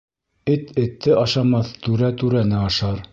Эт этте ашамаҫ, түрә түрәне ашар.